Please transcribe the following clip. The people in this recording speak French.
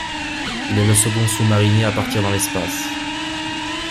Il est le second sous-marinier à partir dans l'espace.